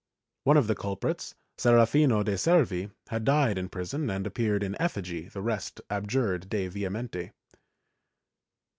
One of the culprits, Serafino de' Servi, had died in prison and appeared in effigy, the rest abjured de vehementi.